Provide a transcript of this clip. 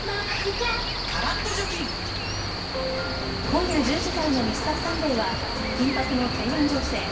今夜１０時からの「Ｍｒ．サンデー」は緊迫の台湾情勢。